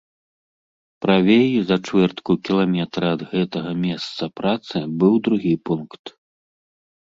Правей, за чвэртку кіламетра ад гэтага месца працы, быў другі пункт.